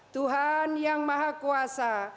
tuhan yang maha kuasa